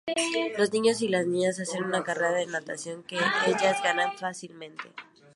Los niños y las niñas hacen una carrera de natación, que ellas ganan fácilmente.